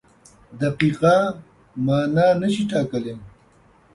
دقیقه مانا نشي ټاکلی.